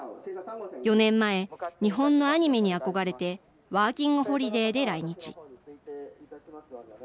４年前、日本のアニメに憧れてワーキングホリデーで来日。